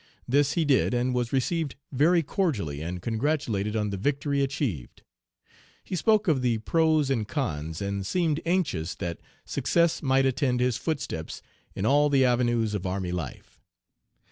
This he did, and was received very cordially and congratulated on the victory achieved. He spoke of the pros and cons, and seemed anxious that success might attend his footsteps in all the avenues of army life.